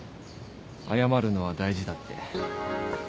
謝るのは大事だって。